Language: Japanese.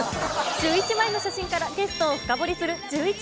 １１枚の写真からゲストを深掘りする、ジューイチ。